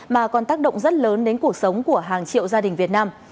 mà còn tác động rất lớn đến cuộc sống của hàng triệu gia đình việt nam